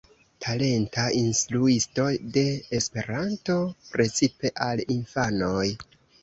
Talenta instruisto de Esperanto, precipe al infanoj.